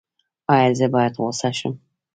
ایا زه باید غوسه شم؟